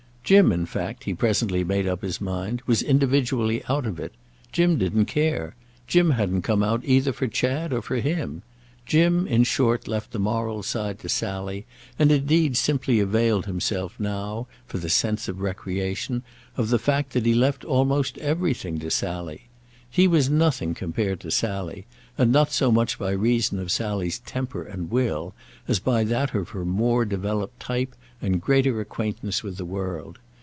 Jim in fact, he presently made up his mind, was individually out of it; Jim didn't care; Jim hadn't come out either for Chad or for him; Jim in short left the moral side to Sally and indeed simply availed himself now, for the sense of recreation, of the fact that he left almost everything to Sally. He was nothing compared to Sally, and not so much by reason of Sally's temper and will as by that of her more developed type and greater acquaintance with the world.